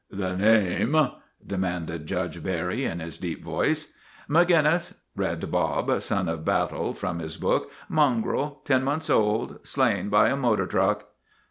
: The name," demanded Judge Barry in his deep voice. " Maginnis," read Bob, Son of Battle, from his book. ' Mongrel ; ten months old ; slain by a motor truck."